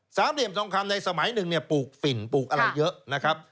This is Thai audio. สาเหกเหลี่ยมทองคำในสมัยหนึ่งปลูกฝิ่นเปลี่ยนปลูกอะไรเยอะ